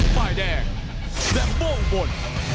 ไฟล์แดงแดบโบ้งบน